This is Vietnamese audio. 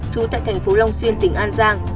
chú tại tp long xuyên tỉnh an giang